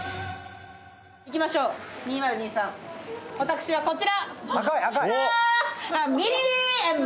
いきましょう、２０２３私はこちら。